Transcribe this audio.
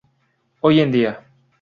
Hoy en dia.